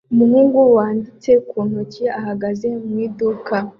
Umuhungu wanditse ku ntoki ahagaze mu iduka